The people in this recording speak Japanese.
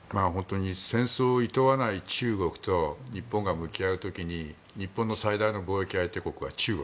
戦争をいとわない中国と日本が向き合う時に日本の最大の貿易相手国は中国。